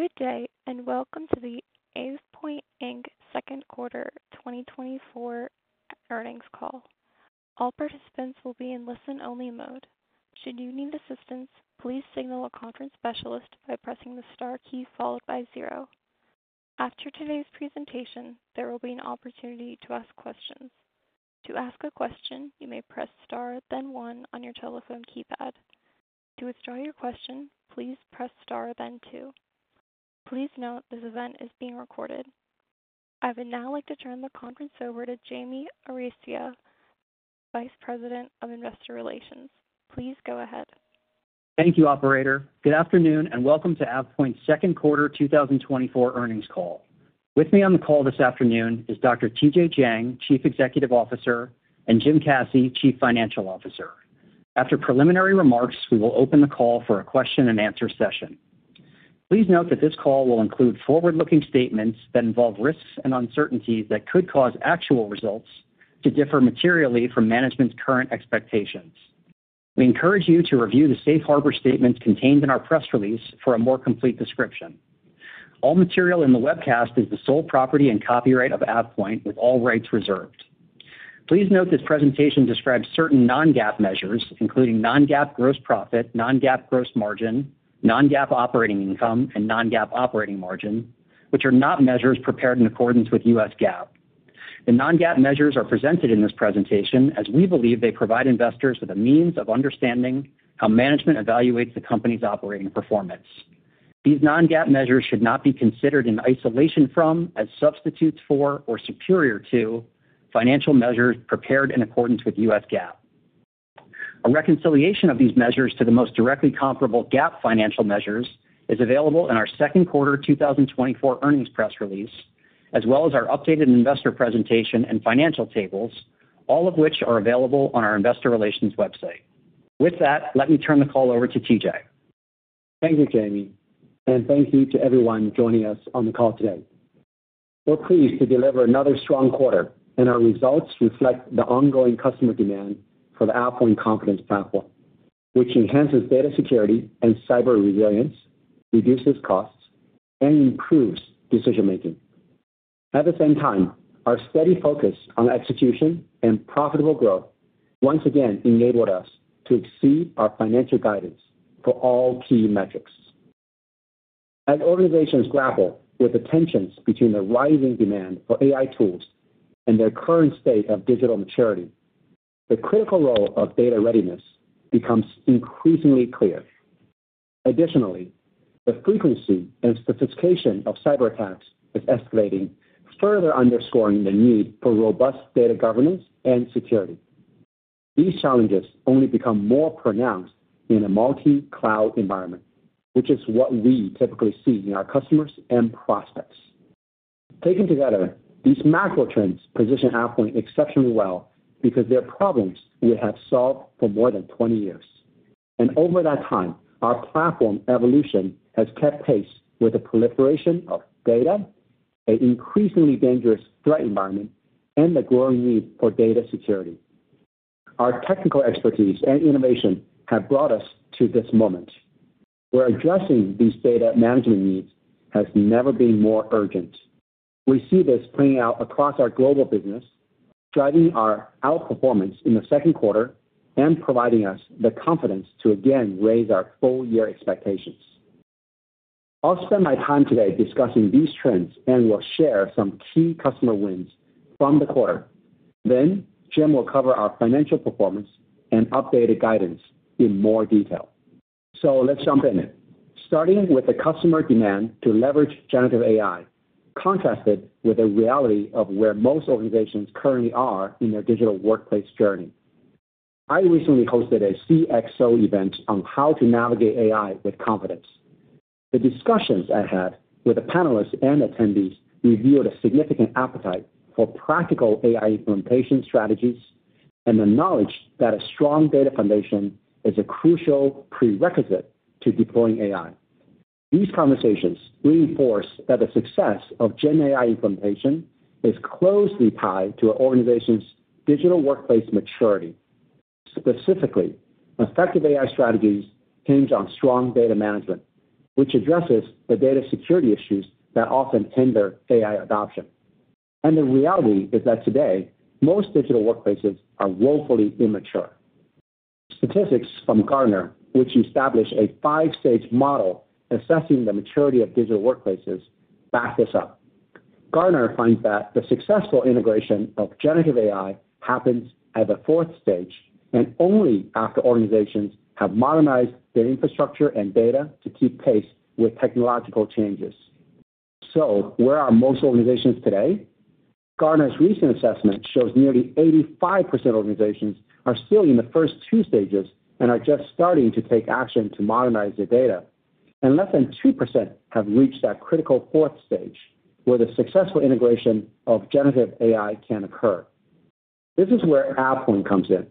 Good day, and welcome to the AvePoint Inc. Second Quarter 2024 Earnings Call. All participants will be in listen-only mode. Should you need assistance, please signal a conference specialist by pressing the star key followed by zero. After today's presentation, there will be an opportunity to ask questions. To ask a question, you may press star, then one on your telephone keypad. To withdraw your question, please press Star then Two. Please note this event is being recorded. I would now like to turn the conference over to Jamie Arestia, Vice President of Investor Relations. Please go ahead. Thank you, operator. Good afternoon, and Welcome to AvePoint's Second Quarter 2024 Earnings Call. With me on the call this afternoon is Dr. TJ Jiang, Chief Executive Officer, and Jim Caci, Chief Financial Officer. After preliminary remarks, we will open the call for a question-and-answer session. Please note that this call will include forward-looking statements that involve risks and uncertainties that could cause actual results to differ materially from management's current expectations. We encourage you to review the safe harbor statements contained in our press release for a more complete description. All material in the webcast is the sole property and copyright of AvePoint, with all rights reserved. Please note this presentation describes certain non-GAAP measures, including non-GAAP gross profit, non-GAAP gross margin, non-GAAP operating income, and non-GAAP operating margin, which are not measures prepared in accordance with U.S. GAAP. The non-GAAP measures are presented in this presentation as we believe they provide investors with a means of understanding how management evaluates the company's operating performance. These non-GAAP measures should not be considered in isolation from, as substitutes for, or superior to, financial measures prepared in accordance with U.S. GAAP. A reconciliation of these measures to the most directly comparable GAAP financial measures is available in our second quarter 2024 earnings press release, as well as our updated investor presentation and financial tables, all of which are available on our investor relations website. With that, let me turn the call over to TJ. Thank you, Jamie, and thank you to everyone joining us on the call today. We're pleased to deliver another strong quarter, and our results reflect the ongoing customer demand for the AvePoint Confidence Platform, which enhances data security and cyber resilience, reduces costs, and improves decision-making. At the same time, our steady focus on execution and profitable growth once again enabled us to exceed our financial guidance for all key metrics. As organizations grapple with the tensions between the rising demand for AI tools and their current state of digital maturity, the critical role of data readiness becomes increasingly clear. Additionally, the frequency and sophistication of cyberattacks is escalating, further underscoring the need for robust data governance and security. These challenges only become more pronounced in a multi-cloud environment, which is what we typically see in our customers and prospects. Taken together, these macro trends position AvePoint exceptionally well because they are problems we have solved for more than 20 years, and over that time, our platform evolution has kept pace with the proliferation of data, an increasingly dangerous threat environment, and the growing need for data security. Our technical expertise and innovation have brought us to this moment, where addressing these data management needs has never been more urgent. We see this playing out across our global business, driving our outperformance in the second quarter and providing us the confidence to again raise our full year expectations. I'll spend my time today discussing these trends and will share some key customer wins from the quarter. Then Jim will cover our financial performance and updated guidance in more detail. Let's jump in. Starting with the customer demand to leverage generative AI, contrasted with the reality of where most organizations currently are in their digital workplace journey. I recently hosted a CXO event on how to navigate AI with confidence. The discussions I had with the panelists and attendees revealed a significant appetite for practical AI implementation strategies and the knowledge that a strong data foundation is a crucial prerequisite to deploying AI. These conversations reinforce that the success of GenAI implementation is closely tied to an organization's digital workplace maturity. Specifically, effective AI strategies hinge on strong data management, which addresses the data security issues that often hinder AI adoption. The reality is that today, most digital workplaces are woefully immature. Statistics from Gartner, which establish a five-stage model assessing the maturity of digital workplaces, back this up. Gartner finds that the successful integration of generative AI happens at the fourth stage, and only after organizations have modernized their infrastructure and data to keep pace with technological changes. So where are most organizations today? Gartner's recent assessment shows nearly 85% of organizations are still in the first two stages and are just starting to take action to modernize their data. Less than 2% have reached that critical fourth stage, where the successful integration of generative AI can occur. This is where AvePoint comes in.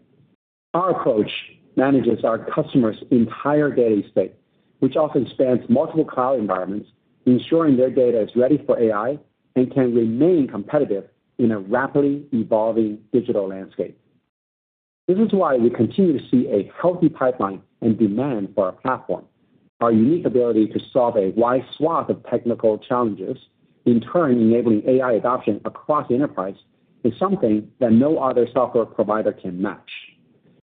Our approach manages our customers' entire data estate, which often spans multiple cloud environments, ensuring their data is ready for AI and can remain competitive in a rapidly evolving digital landscape. This is why we continue to see a healthy pipeline and demand for our platform. Our unique ability to solve a wide swath of technical challenges, in turn, enabling AI adoption across the enterprise, is something that no other software provider can match.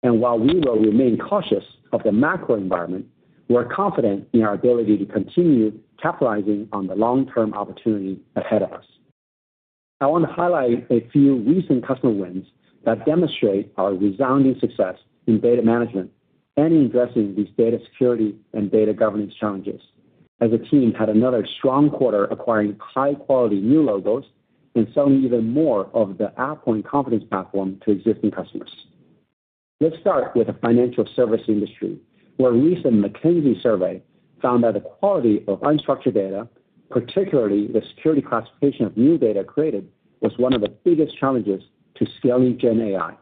While we will remain cautious of the macro environment, we're confident in our ability to continue capitalizing on the long-term opportunity ahead of us. I want to highlight a few recent customer wins that demonstrate our resounding success in data management and in addressing these data security and data governance challenges, as the team had another strong quarter acquiring high-quality new logos and selling even more of the AvePoint Confidence Platform to existing customers. Let's start with the financial service industry, where a recent McKinsey survey found that the quality of unstructured data, particularly the security classification of new data created, was one of the biggest challenges to scaling GenAI.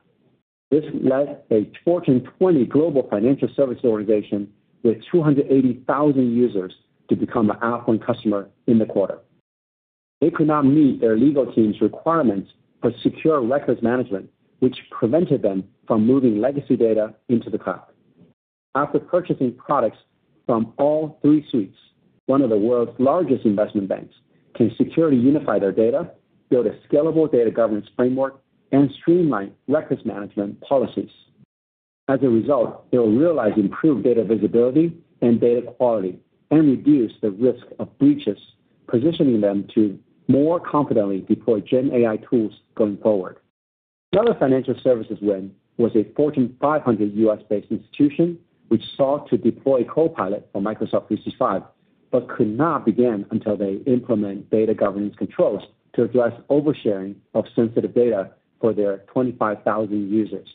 This led a Fortune 20 global financial service organization with 280,000 users to become an AvePoint customer in the quarter. They could not meet their legal team's requirements for secure records management, which prevented them from moving legacy data into the cloud. After purchasing products from all three suites, one of the world's largest investment banks can securely unify their data, build a scalable data governance framework, and streamline records management policies. As a result, they will realize improved data visibility and data quality and reduce the risk of breaches, positioning them to more confidently deploy Gen AI tools going forward. Another financial services win was a Fortune 500 U.S.-based institution, which sought to deploy Copilot on Microsoft 365, but could not begin until they implement data governance controls to address oversharing of sensitive data for their 25,000 users.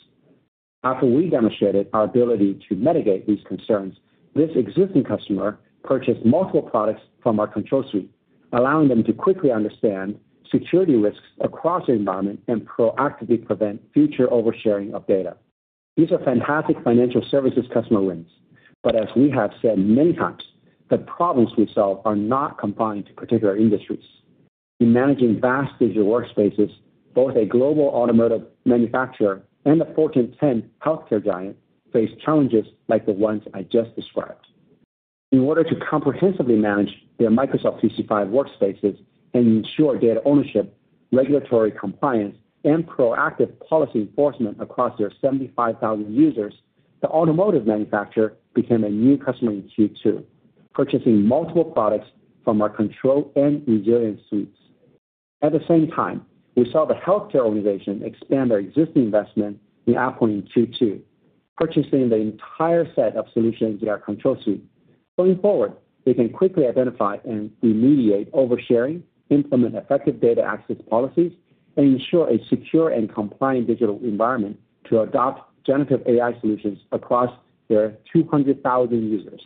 After we demonstrated our ability to mitigate these concerns, this existing customer purchased multiple products from our Control Suite, allowing them to quickly understand security risks across the environment and proactively prevent future oversharing of data. These are fantastic financial services customer wins, but as we have said many times, the problems we solve are not confined to particular industries. In managing vast digital workspaces, both a global automotive manufacturer and a Fortune 10 healthcare giant face challenges like the ones I just described. In order to comprehensively manage their Microsoft 365 workspaces and ensure data ownership, regulatory compliance, and proactive policy enforcement across their 75,000 users, the automotive manufacturer became a new customer in Q2, purchasing multiple products from our Control and Resilience Suites. At the same time, we saw the healthcare organization expand their existing investment in AvePoint in Q2, purchasing the entire set of solutions in our Control Suite. Going forward, they can quickly identify and remediate oversharing, implement effective data access policies, and ensure a secure and compliant digital environment to adopt generative AI solutions across their 200,000 users.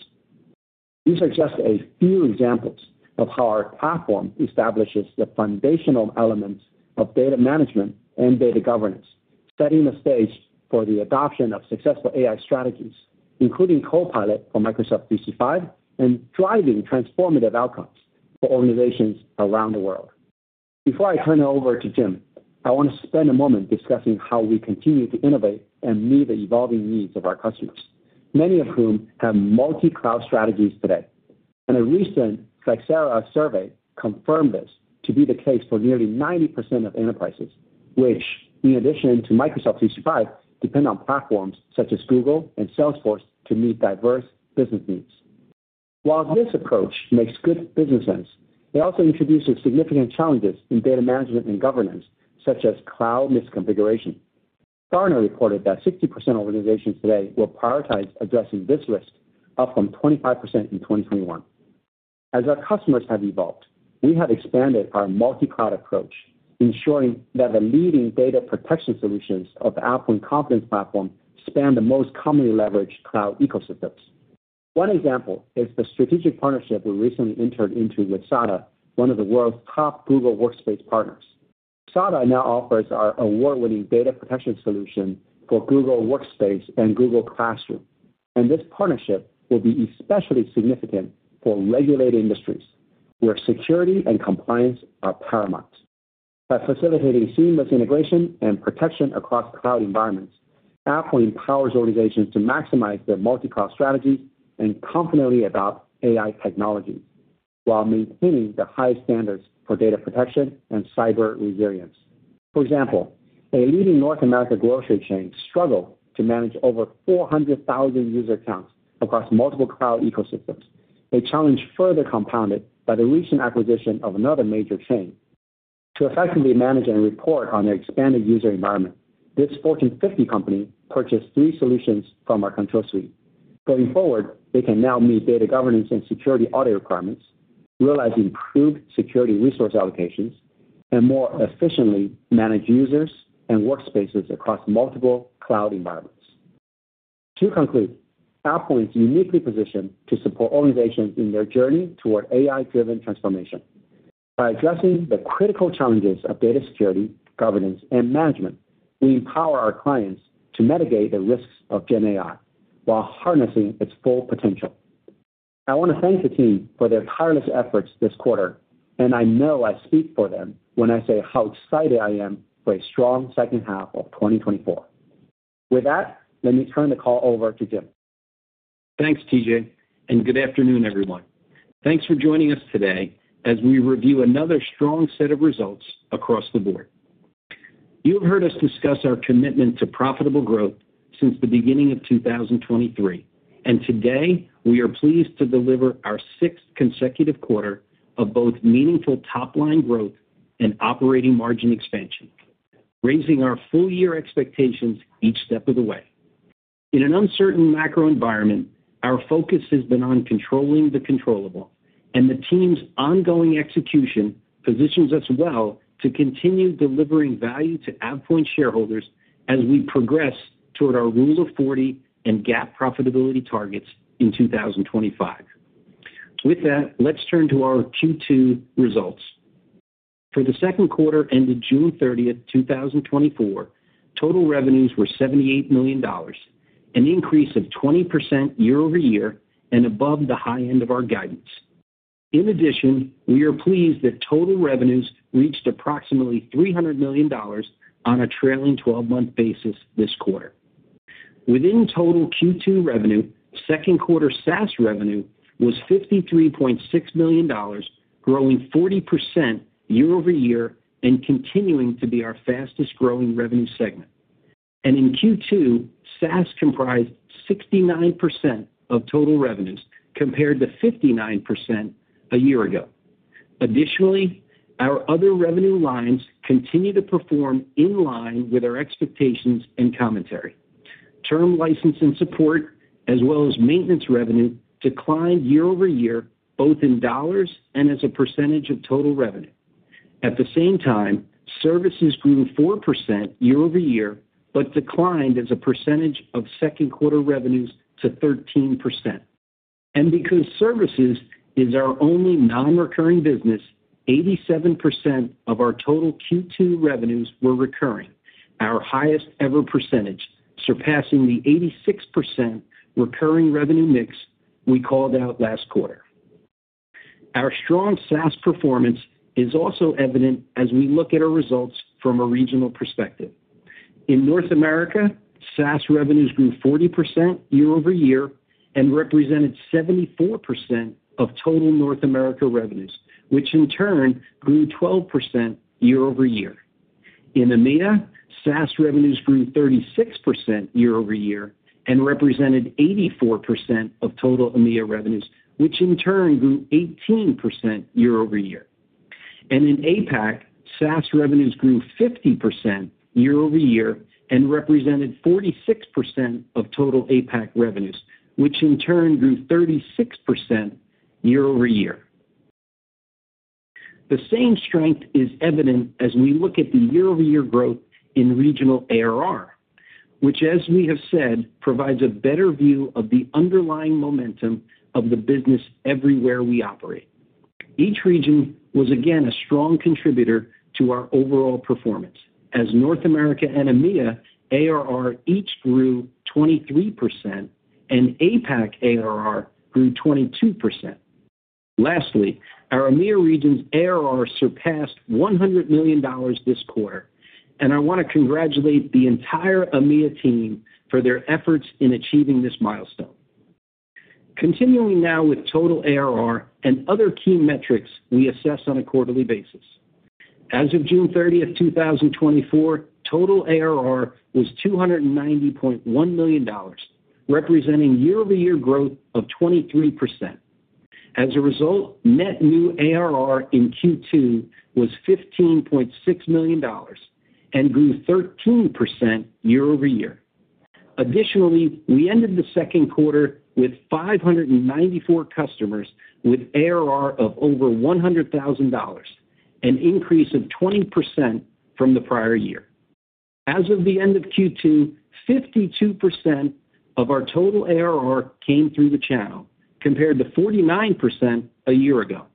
These are just a few examples of how our platform establishes the foundational elements of data management and data governance, setting the stage for the adoption of successful AI strategies, including Copilot for Microsoft 365, and driving transformative outcomes for organizations around the world. Before I turn it over to Jim, I want to spend a moment discussing how we continue to innovate and meet the evolving needs of our customers, many of whom have multi-cloud strategies today. A recent Flexera survey confirmed this to be the case for nearly 90% of enterprises, which, in addition to Microsoft 365, depend on platforms such as Google and Salesforce to meet diverse business needs. While this approach makes good business sense, it also introduces significant challenges in data management and governance, such as cloud misconfiguration. Gartner reported that 60% of organizations today will prioritize addressing this risk, up from 25% in 2021. As our customers have evolved, we have expanded our multi-cloud approach, ensuring that the leading data protection solutions of the AvePoint Confidence Platform span the most commonly leveraged cloud ecosystems. One example is the strategic partnership we recently entered into with SADA, one of the world's top Google Workspace partners. SADA now offers our award-winning data protection solution for Google Workspace and Google Classroom, and this partnership will be especially significant for regulated industries, where security and compliance are paramount. By facilitating seamless integration and protection across cloud environments, AvePoint empowers organizations to maximize their multi-cloud strategies and confidently adopt AI technology while maintaining the high standards for data protection and cyber resilience. For example, a leading North American grocery chain struggled to manage over 400,000 user accounts across multiple cloud ecosystems, a challenge further compounded by the recent acquisition of another major chain. To effectively manage and report on their expanded user environment, this Fortune 50 company purchased three solutions from our Control Suite. Going forward, they can now meet data governance and security audit requirements, realize improved security resource allocations, and more efficiently manage users and workspaces across multiple cloud environments. To conclude, AvePoint is uniquely positioned to support organizations in their journey toward AI-driven transformation. By addressing the critical challenges of data security, governance, and management, we empower our clients to mitigate the risks of Gen AI while harnessing its full potential.... I want to thank the team for their tireless efforts this quarter, and I know I speak for them when I say how excited I am for a strong second half of 2024. With that, let me turn the call over to Jim. Thanks, TJ, and good afternoon, everyone. Thanks for joining us today as we review another strong set of results across the board. You have heard us discuss our commitment to profitable growth since the beginning of 2023, and today, we are pleased to deliver our sixth consecutive quarter of both meaningful top-line growth and operating margin expansion, raising our full-year expectations each step of the way. In an uncertain macro environment, our focus has been on controlling the controllable, and the team's ongoing execution positions us well to continue delivering value to AvePoint shareholders as we progress toward our rule of 40 and GAAP profitability targets in 2025. With that, let's turn to our Q2 results. For the second quarter ended June 30th, 2024, total revenues were $78 million, an increase of 20% year-over-year and above the high end of our guidance. In addition, we are pleased that total revenues reached approximately $300 million on a trailing twelve-month basis this quarter. Within total Q2 revenue, second quarter SaaS revenue was $53.6 million, growing 40% year-over-year and continuing to be our fastest-growing revenue segment. In Q2, SaaS comprised 69% of total revenues, compared to 59% a year ago. Additionally, our other revenue lines continue to perform in line with our expectations and commentary. Term license and support, as well as maintenance revenue, declined year-over-year, both in dollars and as a percentage of total revenue. At the same time, services grew 4% year-over-year, but declined as a percentage of second quarter revenues to 13%. Because services is our only nonrecurring business, 87% of our total Q2 revenues were recurring, our highest-ever percentage, surpassing the 86% recurring revenue mix we called out last quarter. Our strong SaaS performance is also evident as we look at our results from a regional perspective. In North America, SaaS revenues grew 40% year-over-year and represented 74% of total North America revenues, which in turn grew 12% year-over-year. In EMEA, SaaS revenues grew 36% year-over-year and represented 84% of total EMEA revenues, which in turn grew 18% year-over-year. In APAC, SaaS revenues grew 50% year over year and represented 46% of total APAC revenues, which in turn grew 36% year over year. The same strength is evident as we look at the year-over-year growth in regional ARR, which, as we have said, provides a better view of the underlying momentum of the business everywhere we operate. Each region was again a strong contributor to our overall performance, as North America and EMEA ARR each grew 23% and APAC ARR grew 22%. Lastly, our EMEA region's ARR surpassed $100 million this quarter, and I want to congratulate the entire EMEA team for their efforts in achieving this milestone. Continuing now with total ARR and other key metrics we assess on a quarterly basis. As of June 30th, 2024, total ARR was $290.1 million, representing year-over-year growth of 23%. As a result, net new ARR in Q2 was $15.6 million and grew 13% year-over-year. Additionally, we ended the second quarter with 594 customers with ARR of over $100,000, an increase of 20% from the prior year. As of the end of Q2, 52% of our total ARR came through the channel, compared to 49% a year ago.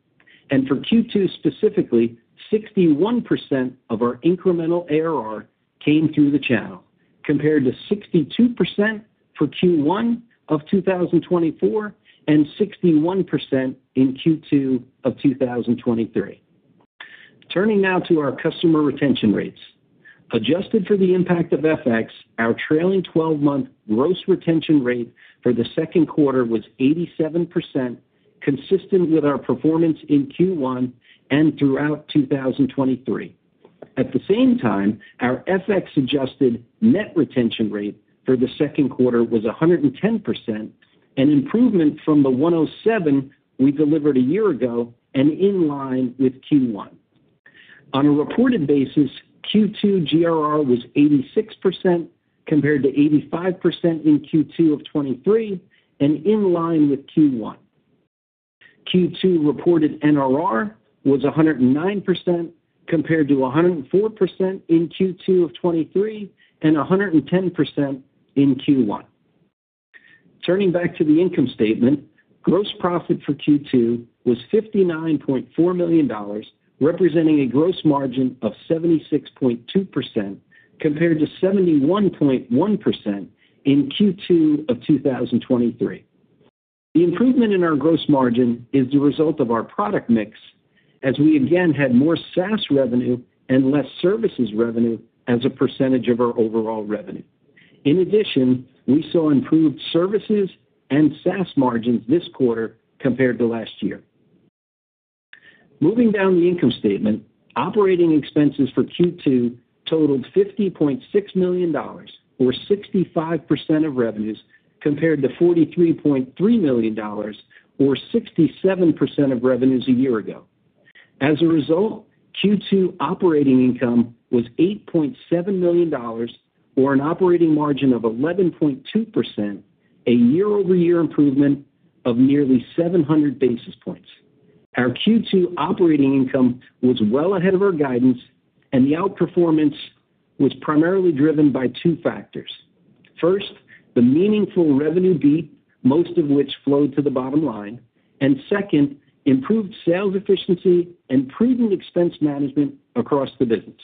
And for Q2 specifically, 61% of our incremental ARR came through the channel, compared to 62% for Q1 of 2024 and 61% in Q2 of 2023. Turning now to our customer retention rates. Adjusted for the impact of FX, our trailing twelve-month gross retention rate for the second quarter was 87%, consistent with our performance in Q1 and throughout 2023. At the same time, our FX-adjusted net retention rate for the second quarter was 110%, an improvement from the 107 we delivered a year ago and in line with Q1. On a reported basis, Q2 GRR was 86%, compared to 85% in Q2 of 2023 and in line with Q1. Q2 reported NRR was 109%, compared to 104% in Q2 of 2023 and 110% in Q1. Turning back to the income statement, gross profit for Q2 was $59.4 million, representing a gross margin of 76.2%, compared to 71.1% in Q2 of 2023. The improvement in our gross margin is the result of our product mix, as we again had more SaaS revenue and less services revenue as a percentage of our overall revenue. In addition, we saw improved services and SaaS margins this quarter compared to last year. Moving down the income statement, operating expenses for Q2 totaled $50.6 million, or 65% of revenues, compared to $43.3 million, or 67% of revenues a year ago. As a result, Q2 operating income was $8.7 million, or an operating margin of 11.2%, a year-over-year improvement of nearly 700 basis points. Our Q2 operating income was well ahead of our guidance, and the outperformance was primarily driven by two factors. First, the meaningful revenue beat, most of which flowed to the bottom line. And second, improved sales efficiency and prudent expense management across the business.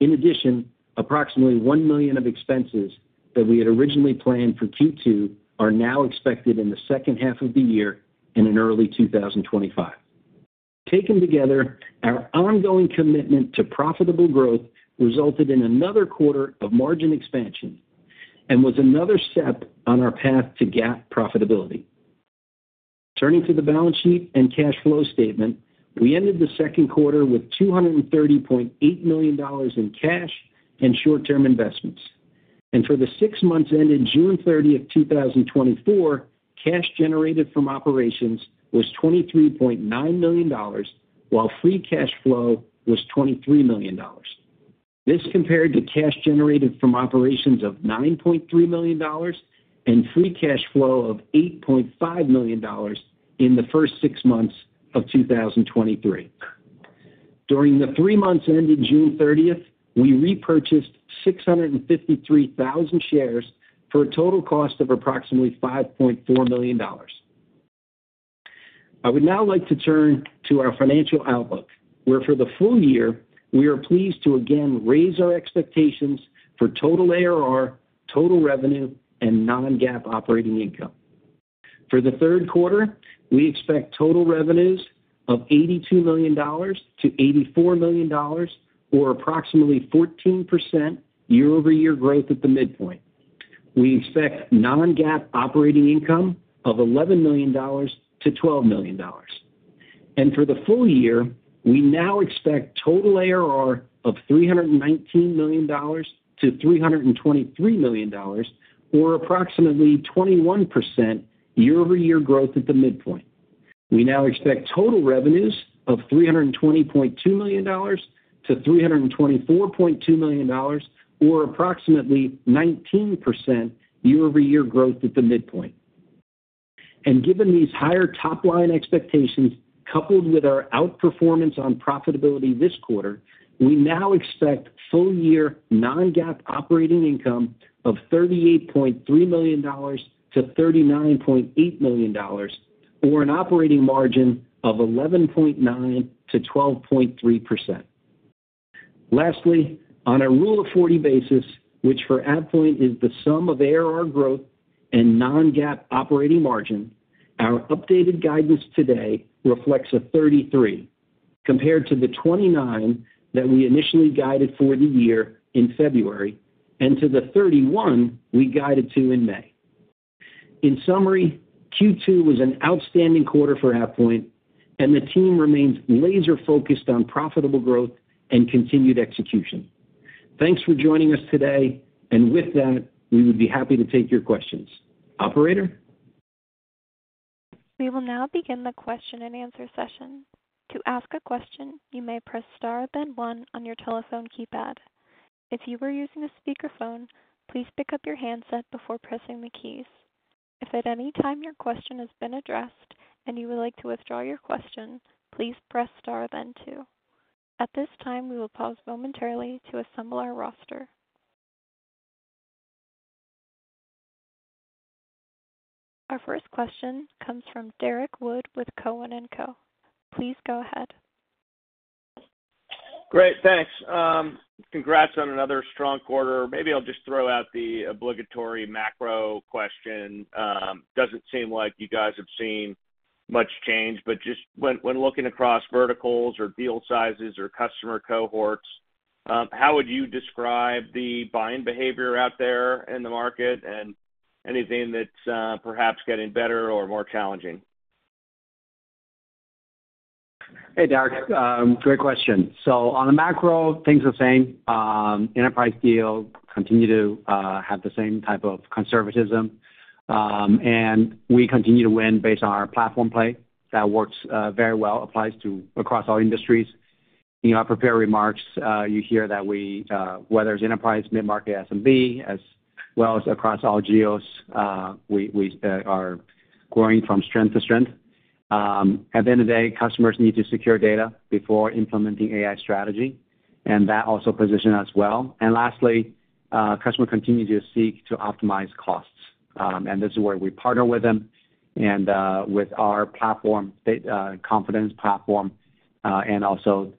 In addition, approximately $1 million of expenses that we had originally planned for Q2 are now expected in the second half of the year and in early 2025. Taken together, our ongoing commitment to profitable growth resulted in another quarter of margin expansion and was another step on our path to GAAP profitability. Turning to the balance sheet and cash flow statement, we ended the second quarter with $230.8 million in cash and short-term investments. For the six months ended June 30, 2024, cash generated from operations was $23.9 million, while free cash flow was $23 million. This compared to cash generated from operations of $9.3 million and free cash flow of $8.5 million in the first six months of 2023. During the three months ended June 30, we repurchased 653,000 shares for a total cost of approximately $5.4 million. I would now like to turn to our financial outlook, where for the full year, we are pleased to again raise our expectations for total ARR, total revenue, and non-GAAP operating income. For the third quarter, we expect total revenues of $82 million-$84 million, or approximately 14% year-over-year growth at the midpoint. We expect non-GAAP operating income of $11 million to $12 million. For the full year, we now expect total ARR of $319 million to $323 million, or approximately 21% year-over-year growth at the midpoint. We now expect total revenues of $320.2 million to $324.2 million, or approximately 19% year-over-year growth at the midpoint. Given these higher top-line expectations, coupled with our outperformance on profitability this quarter, we now expect full-year non-GAAP operating income of $38.3 million to $39.8 million, or an operating margin of 11.9%-12.3%. Lastly, on a Rule of 40 basis, which for AvePoint is the sum of ARR growth and non-GAAP operating margin, our updated guidance today reflects a 33, compared to the 29 that we initially guided for the year in February and to the 31 we guided to in May. In summary, Q2 was an outstanding quarter for AvePoint, and the team remains laser-focused on profitable growth and continued execution. Thanks for joining us today, and with that, we would be happy to take your questions. Operator? We will now begin the question-and-answer session. To ask a question, you may press star, then one on your telephone keypad. If you are using a speakerphone, please pick up your handset before pressing the keys. If at any time your question has been addressed and you would like to withdraw your question, please press star, then two. At this time, we will pause momentarily to assemble our roster. Our first question comes from Derrick Wood with TD Cowen. Please go ahead. Great, thanks. Congrats on another strong quarter. Maybe I'll just throw out the obligatory macro question. Doesn't seem like you guys have seen much change, but just when, when looking across verticals or deal sizes or customer cohorts, how would you describe the buying behavior out there in the market and anything that's, perhaps getting better or more challenging? Hey, Derrick, great question. So on the macro, things are the same. Enterprise deals continue to have the same type of conservatism, and we continue to win based on our platform play. That works very well, applies to across all industries. In our prepared remarks, you hear that we whether it's enterprise, mid-market, SMB, as well as across all geos, we are growing from strength to strength. At the end of the day, customers need to secure data before implementing AI strategy, and that also positions us well. And lastly, customers continue to seek to optimize costs, and this is where we partner with them and with our platform, AvePoint Confidence Platform, and also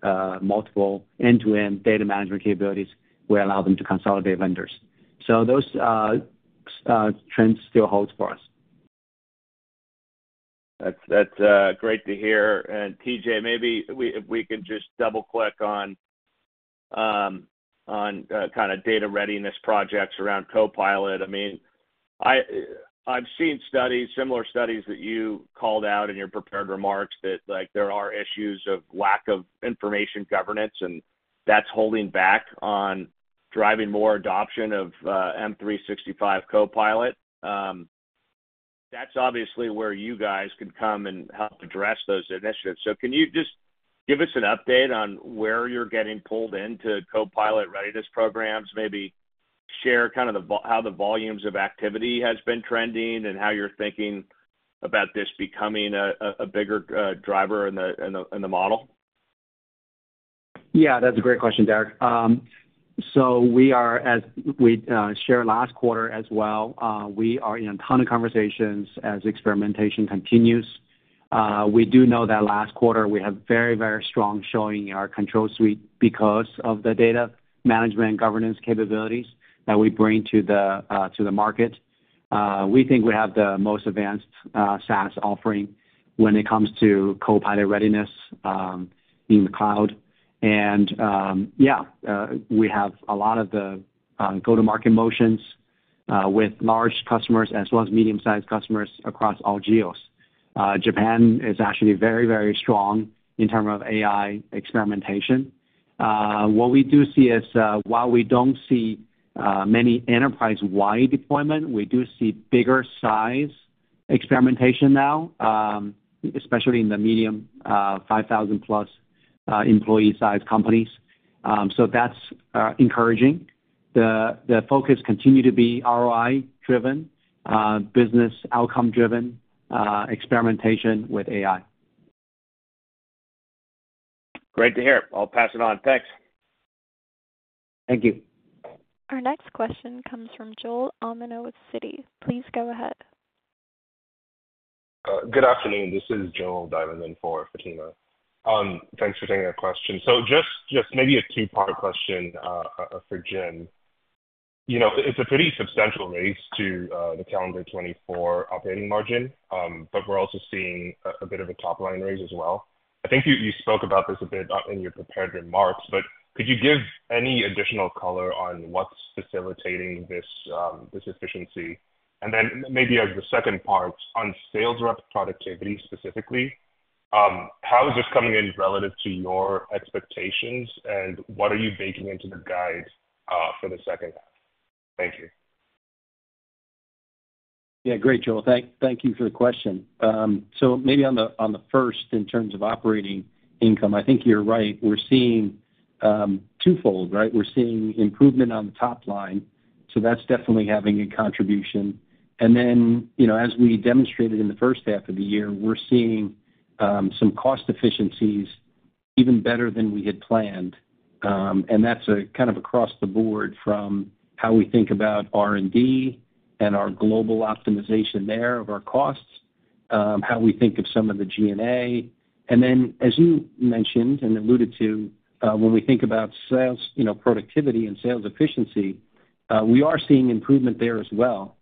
multiple end-to-end data management capabilities, we allow them to consolidate vendors. So those trends still holds for us. That's great to hear. And TJ, maybe we if we could just double-click on kind of data readiness projects around Copilot. I mean, I've seen studies, similar studies that you called out in your prepared remarks, that, like, there are issues of lack of information governance, and that's holding back on driving more adoption of M365 Copilot. That's obviously where you guys can come and help address those initiatives. So can you just give us an update on where you're getting pulled into Copilot readiness programs? Maybe share kind of the volume, how the volumes of activity has been trending and how you're thinking about this becoming a bigger driver in the model. Yeah, that's a great question, Derrick. So, as we shared last quarter as well, we are in a ton of conversations as experimentation continues. We do know that last quarter, we have very, very strong showing in our Control Suite because of the data management governance capabilities that we bring to the market. We think we have the most advanced SaaS offering when it comes to Copilot readiness in the cloud. And yeah, we have a lot of the go-to-market motions with large customers as well as medium-sized customers across all geos. Japan is actually very, very strong in terms of AI experimentation. What we do see is, while we don't see many enterprise-wide deployment, we do see bigger size experimentation now, especially in the medium 5,000+ employee size companies. So that's encouraging. The focus continue to be ROI driven, business outcome driven, experimentation with AI. Great to hear. I'll pass it on. Thanks. Thank you. Our next question comes from Joel Omino with Citi. Please go ahead. Good afternoon. This is Joel diving in for Fatima. Thanks for taking our question. So just maybe a two-part question for Jim. You know, it's a pretty substantial raise to the calendar 2024 operating margin, but we're also seeing a bit of a top-line raise as well. I think you spoke about this a bit in your prepared remarks, but could you give any additional color on what's facilitating this efficiency? And then maybe as the second part, on sales rep productivity, specifically, how is this coming in relative to your expectations, and what are you baking into the guide for the second half? Thank you. Yeah, great, Joel. Thank, thank you for the question. So maybe on the, on the first, in terms of operating income, I think you're right. We're seeing, twofold, right? We're seeing improvement on the top line, so that's definitely having a contribution. And then, you know, as we demonstrated in the first half of the year, we're seeing, some cost efficiencies even better than we had planned. And that's a kind of across the board from how we think about R&D and our global optimization there of our costs, how we think of some of the G&A. And then, as you mentioned and alluded to, when we think about sales, you know, productivity and sales efficiency, we are seeing improvement there as well.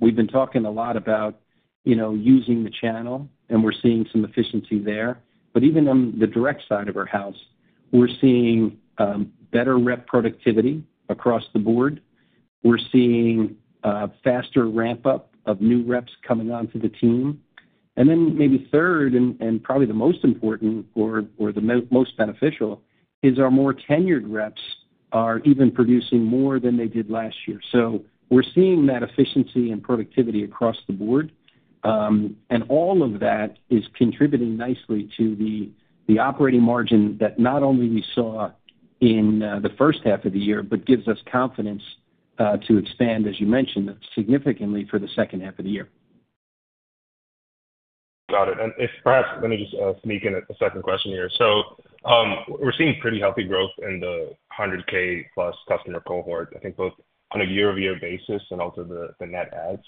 We've been talking a lot about, you know, using the channel, and we're seeing some efficiency there. But even on the direct side of our house, we're seeing better rep productivity across the board. We're seeing faster ramp-up of new reps coming onto the team. And then maybe third, and probably the most important or most beneficial, is our more tenured reps are even producing more than they did last year. So we're seeing that efficiency and productivity across the board. And all of that is contributing nicely to the operating margin that not only we saw in the first half of the year, but gives us confidence to expand, as you mentioned, significantly for the second half of the year. Got it. And if perhaps, let me just sneak in a second question here. So, we're seeing pretty healthy growth in the 100K plus customer cohort, I think both on a year-over-year basis and also the net adds.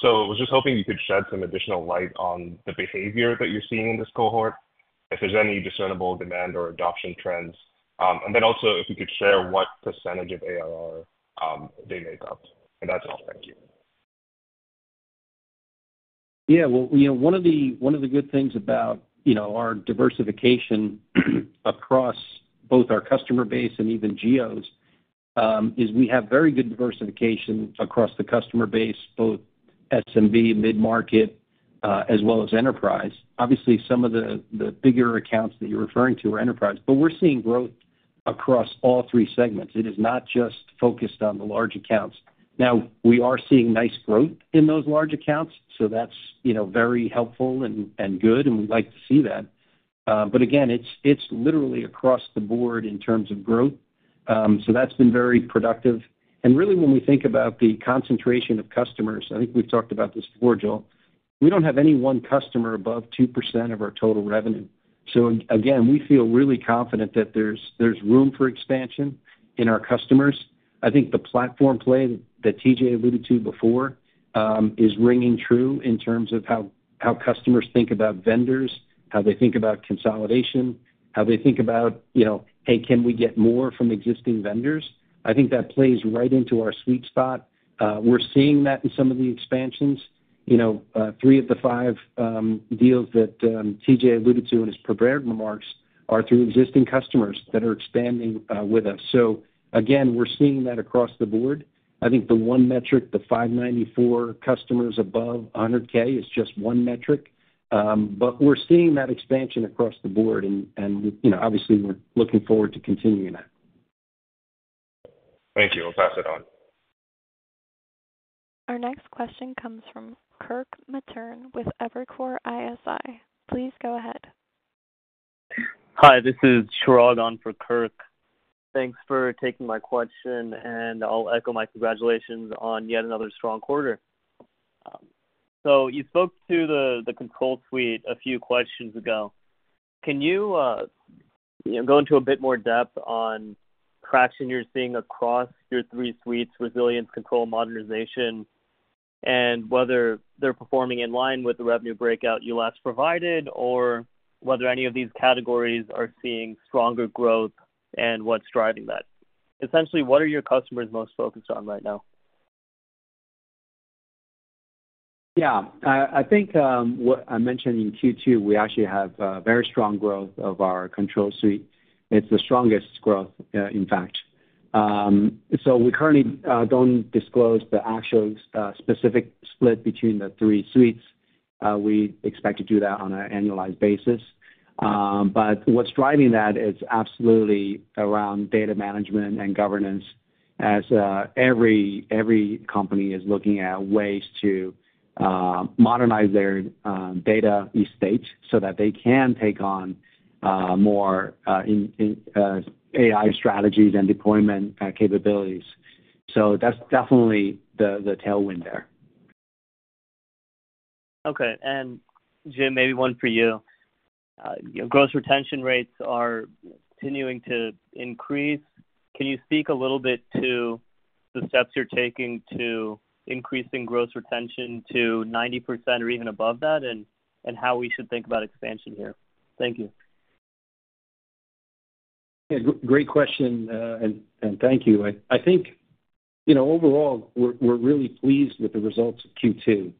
So I was just hoping you could shed some additional light on the behavior that you're seeing in this cohort, if there's any discernible demand or adoption trends. And then also if you could share what percentage of ARR they make up. And that's all. Thank you. Yeah, well, you know, one of the good things about, you know, our diversification across both our customer base and even geos, is we have very good diversification across the customer base, both SMB, mid-market, as well as enterprise. Obviously, some of the bigger accounts that you're referring to are enterprise, but we're seeing growth across all three segments. It is not just focused on the large accounts. Now, we are seeing nice growth in those large accounts, so that's, you know, very helpful and, and good, and we like to see that. But again, it's literally across the board in terms of growth. So that's been very productive. And really, when we think about the concentration of customers, I think we've talked about this before, Joel, we don't have any one customer above 2% of our total revenue. So again, we feel really confident that there's room for expansion in our customers. I think the platform play that TJ alluded to before is ringing true in terms of how customers think about vendors, how they think about consolidation, how they think about, you know, hey, can we get more from existing vendors? I think that plays right into our sweet spot. We're seeing that in some of the expansions. You know, 3 of the 5 deals that TJ alluded to in his prepared remarks are through existing customers that are expanding with us. So again, we're seeing that across the board. I think the one metric, the 594 customers above 100K, is just one metric. But we're seeing that expansion across the board, and you know, obviously, we're looking forward to continuing that. Thank you. I'll pass it on. Our next question comes from Kirk Materne with Evercore ISI. Please go ahead. Hi, this is Chirag on for Kirk. Thanks for taking my question, and I'll echo my congratulations on yet another strong quarter. So you spoke to the, the Control Suite a few questions ago. Can you, you know, go into a bit more depth on traction you're seeing across your three suites, Resilience, Control, Modernization, and whether they're performing in line with the revenue breakout you last provided, or whether any of these categories are seeing stronger growth, and what's driving that? Essentially, what are your customers most focused on right now? Yeah. I think what I mentioned in Q2, we actually have very strong growth of our Control Suite. It's the strongest growth, in fact. So we currently don't disclose the actual specific split between the three suites. We expect to do that on an annualized basis. But what's driving that is absolutely around data management and governance, as every company is looking at ways to modernize their data estate so that they can take on more in AI strategies and deployment capabilities. So that's definitely the tailwind there. Okay. And Jim, maybe one for you. Your gross retention rates are continuing to increase. Can you speak a little bit to the steps you're taking to increasing gross retention to 90% or even above that, and, and how we should think about expansion here? Thank you. Yeah, great question, and thank you. I think, you know, overall, we're really pleased with the results of Q2,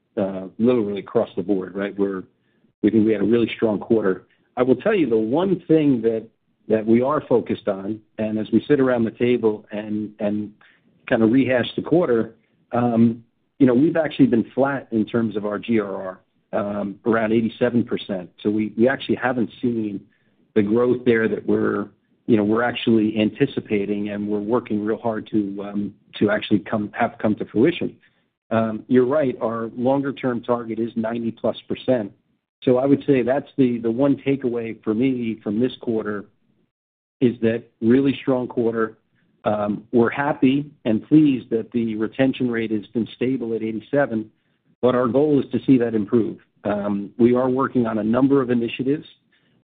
literally across the board, right? We think we had a really strong quarter. I will tell you, the one thing that we are focused on, and as we sit around the table and kind of rehash the quarter, you know, we've actually been flat in terms of our GRR, around 87%. So we actually haven't seen the growth there that we're, you know, we're actually anticipating, and we're working real hard to actually come to fruition. You're right, our longer-term target is 90%+. So I would say that's the one takeaway for me from this quarter, is that really strong quarter. We're happy and pleased that the retention rate has been stable at 87, but our goal is to see that improve. We are working on a number of initiatives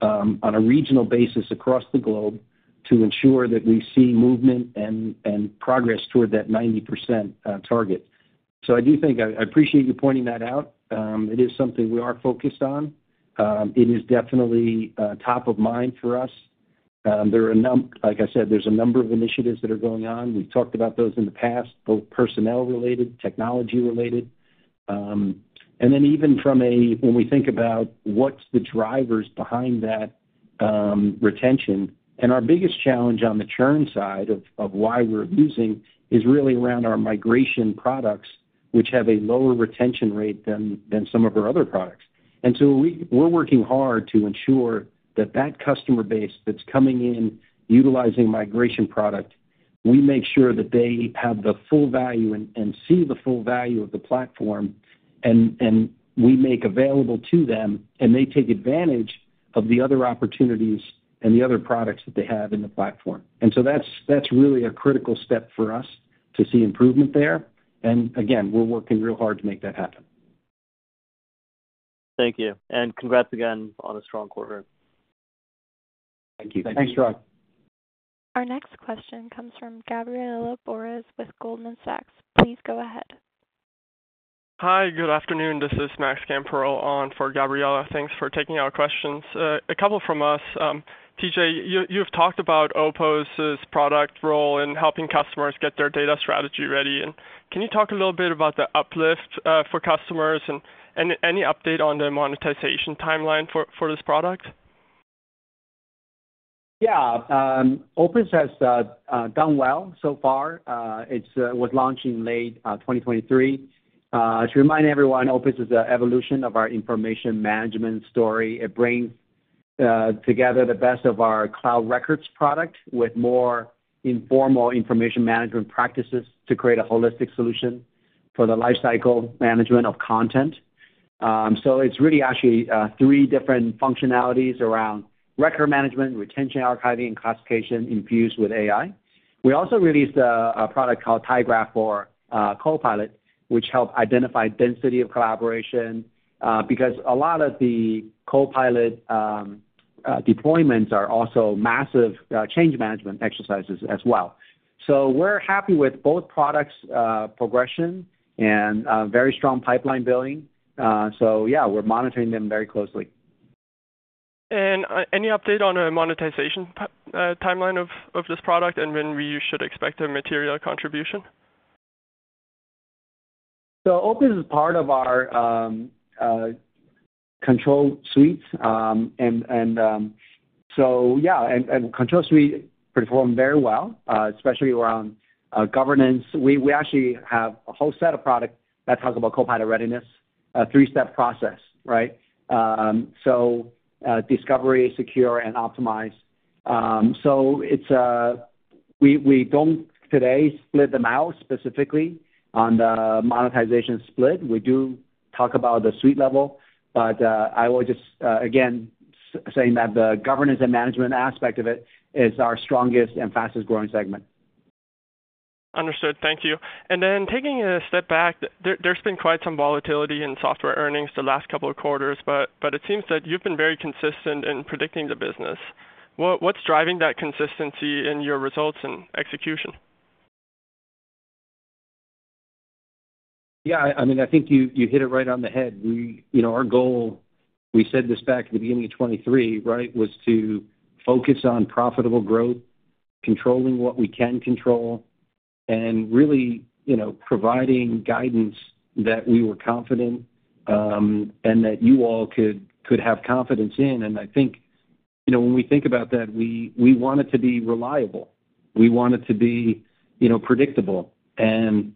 on a regional basis across the globe, to ensure that we see movement and progress toward that 90% target. So I do think I appreciate you pointing that out. It is something we are focused on. It is definitely top of mind for us. There are like I said, there's a number of initiatives that are going on. We've talked about those in the past, both personnel related, technology related, and then even from when we think about what's the drivers behind that retention, and our biggest challenge on the churn side of why we're losing is really around our migration products, which have a lower retention rate than some of our other products. So we're working hard to ensure that customer base that's coming in utilizing migration product, we make sure that they have the full value and see the full value of the platform, and we make available to them, and they take advantage of the other opportunities and the other products that they have in the platform. So that's really a critical step for us to see improvement there. And again, we're working real hard to make that happen. Thank you, and congrats again on a strong quarter. Thank you. Thanks, Chirag. Our next question comes from Gabriela Borges with Goldman Sachs. Please go ahead. Hi, good afternoon. This is Max Gamperl on for Gabriela. Thanks for taking our questions. A couple from us. TJ, you've talked about Opus's product role in helping customers get their data strategy ready, and can you talk a little bit about the uplift for customers, and any update on the monetization timeline for this product? Yeah, Opus has done well so far. It was launched in late 2023. To remind everyone, Opus is an evolution of our information management story. It brings together the best of our cloud records product with more informal information management practices to create a holistic solution for the life cycle management of content. So it's really actually three different functionalities around record management, retention, archiving, and classification infused with AI. We also released a product called tyGraph for Copilot, which help identify density of collaboration, because a lot of the Copilot deployments are also massive change management exercises as well. So we're happy with both products progression and very strong pipeline billing. So yeah, we're monitoring them very closely. Any update on a monetization timeline of this product and when we should expect a material contribution? So Opus is part of our Control Suite. Control Suite performed very well, especially around governance. We actually have a whole set of products that talk about Copilot readiness, a three-step process, right? So discovery, secure, and optimize. So it's, we don't today split them out specifically on the monetization split. We do talk about the suite level, but I would just again saying that the governance and management aspect of it is our strongest and fastest-growing segment. Understood. Thank you. Then taking a step back, there's been quite some volatility in software earnings the last couple of quarters, but it seems that you've been very consistent in predicting the business. What's driving that consistency in your results and execution? Yeah, I mean, I think you hit it right on the head. We. You know, our goal, we said this back at the beginning of 2023, right? Was to focus on profitable growth, controlling what we can control, and really, you know, providing guidance that we were confident and that you all could have confidence in. And I think, you know, when we think about that, we want it to be reliable. We want it to be, you know, predictable. And,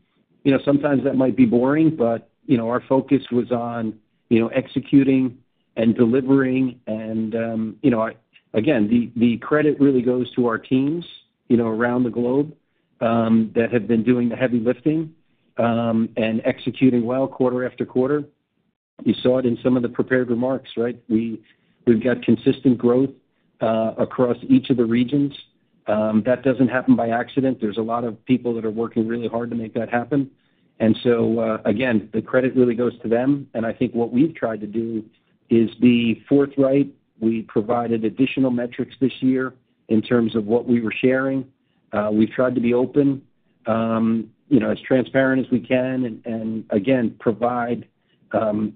you know, sometimes that might be boring, but, you know, our focus was on, you know, executing and delivering, and, you know, again, the credit really goes to our teams, you know, around the globe, that have been doing the heavy lifting and executing well quarter after quarter. You saw it in some of the prepared remarks, right? We've got consistent growth across each of the regions. That doesn't happen by accident. There's a lot of people that are working really hard to make that happen. And so, again, the credit really goes to them, and I think what we've tried to do is be forthright. We provided additional metrics this year in terms of what we were sharing. We've tried to be open, you know, as transparent as we can, and again, provide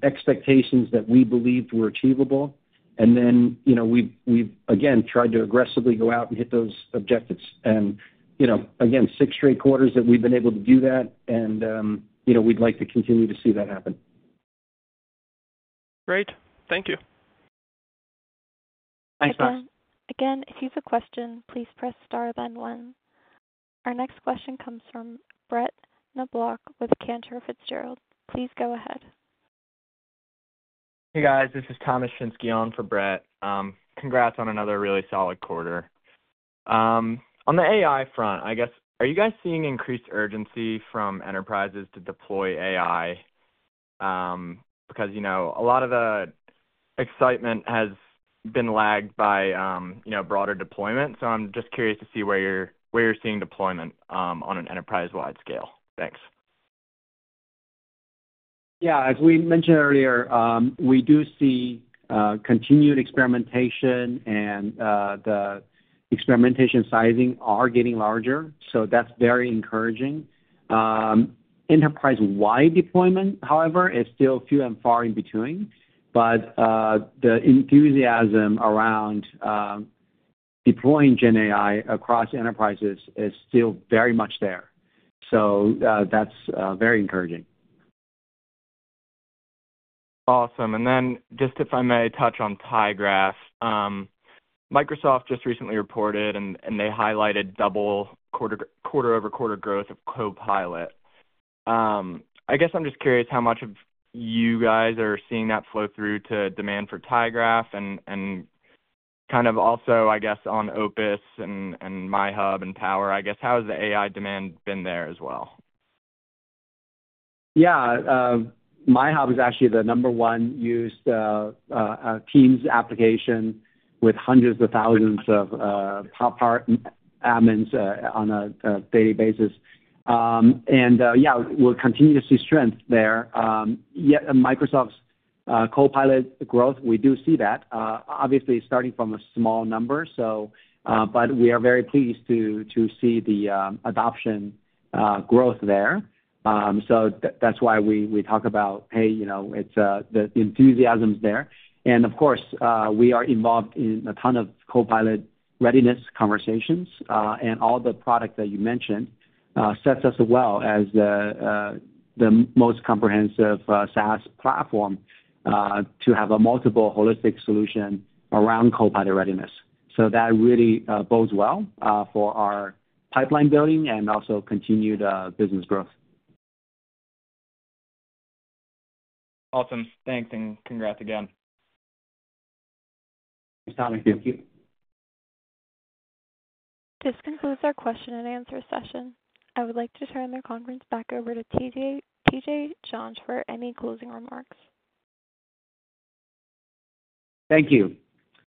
expectations that we believed were achievable. And then, you know, we've again tried to aggressively go out and hit those objectives. And, you know, again, six straight quarters that we've been able to do that, and, you know, we'd like to continue to see that happen. Great. Thank you. Thanks, Max. Again, if you have a question, please press star then one. Our next question comes from Brett Knoblauch with Cantor Fitzgerald. Please go ahead. Hey, guys, this is Thomas Shinske on for Brett. Congrats on another really solid quarter. On the AI front, I guess, are you guys seeing increased urgency from enterprises to deploy AI? Because, you know, a lot of the excitement has been lagged by, you know, broader deployment. So I'm just curious to see where you're, where you're seeing deployment, on an enterprise-wide scale. Thanks. Yeah, as we mentioned earlier, we do see continued experimentation and the experimentation sizing are getting larger, so that's very encouraging. Enterprise-wide deployment, however, is still few and far in between, but the enthusiasm around deploying GenAI across enterprises is still very much there. So, that's very encouraging. Awesome. And then just if I may touch on tyGraph. Microsoft just recently reported, and they highlighted double quarter-over-quarter growth of Copilot. I guess I'm just curious how much of you guys are seeing that flow through to demand for tyGraph and kind of also, I guess, on Opus and MyHub and EnPower. I guess, how has the AI demand been there as well? Yeah, MyHub is actually the number one used Teams application with hundreds of thousands of top partner admins on a daily basis. Yeah, we'll continue to see strength there. Yeah, Microsoft's Copilot growth, we do see that obviously starting from a small number. So, but we are very pleased to see the adoption growth there. So that's why we talk about, hey, you know, it's the enthusiasm's there. And of course, we are involved in a ton of Copilot readiness conversations, and all the product that you mentioned sets us well as the most comprehensive SaaS platform to have a multiple holistic solution around Copilot readiness. So that really bodes well for our pipeline building and also continued business growth. Awesome. Thanks, and congrats again. Thanks, Tommy. This concludes our question and answer session. I would like to turn the conference back over to TJ, TJ Jiang for any closing remarks. Thank you.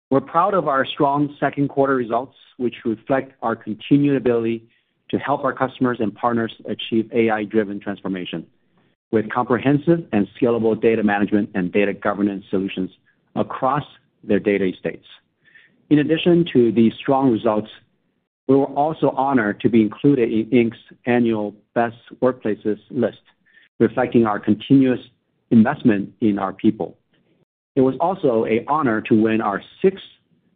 We're proud of our strong second quarter results, which reflect our continued ability to help our customers and partners achieve AI-driven transformation, with comprehensive and scalable data management and data governance solutions across their data estates. In addition to these strong results, we were also honored to be included in Inc.'s annual Best Workplaces list, reflecting our continuous investment in our people. It was also an honor to win our sixth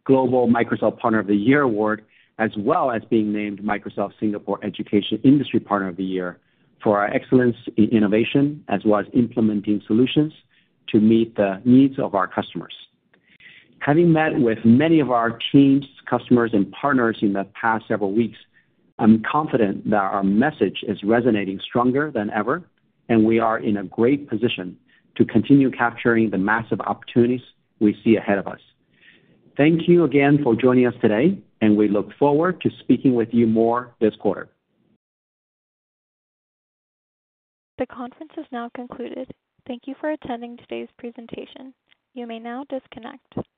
Global Microsoft Partner of the Year award, as well as being named Microsoft Singapore Education Industry Partner of the Year for our excellence in innovation, as well as implementing solutions to meet the needs of our customers. Having met with many of our teams, customers, and partners in the past several weeks, I'm confident that our message is resonating stronger than ever, and we are in a great position to continue capturing the massive opportunities we see ahead of us. Thank you again for joining us today, and we look forward to speaking with you more this quarter. The conference has now concluded. Thank you for attending today's presentation. You may now disconnect.